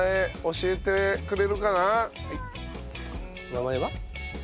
名前は？